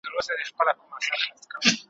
آس هم د ننګ وي هم د جنګ وي `